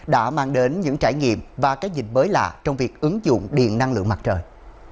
đã mang đến những trải nghiệm và cái nhìn mới lạ trong việc ứng dụng điện năng lượng mặt trời